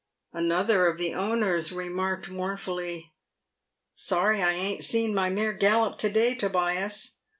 Another of the owners remarked, mournfully, " Sorry I ain't seen my mare gallop to day, Tobias."